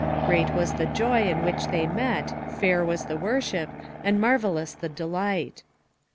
Great was the joy in which they met, fair was the worship, and marvellous the delight.